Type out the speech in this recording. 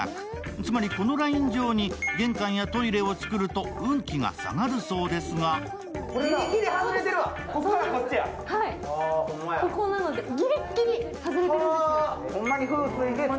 つまり、このライン上に玄関やトイレを作ると運気が下がるそうですがギリギリ外れてるわ。